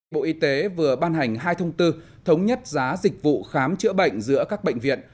bộ y tế vừa ban hành hai thông tư thống nhất giá dịch vụ khám chữa bệnh giữa các bệnh viện